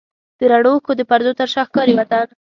د رڼو اوښکو د پردو تر شا ښکارېږي وطن